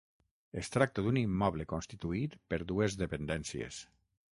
Es tracta d’un immoble constituït per dues dependències.